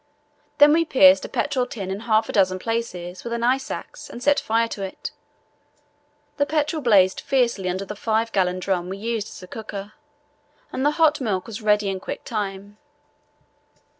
Then we pierced a petrol tin in half a dozen places with an ice axe and set fire to it. The petrol blazed fiercely under the five gallon drum we used as a cooker, and the hot milk was ready in quick time.